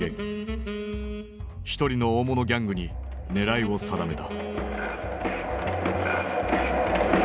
一人の大物ギャングに狙いを定めた。